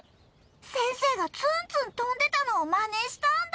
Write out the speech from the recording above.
先生がツンツンとんでたのをまねしたんだ。